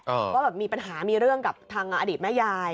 ว่าแบบมีปัญหามีเรื่องกับทางอดีตแม่ยาย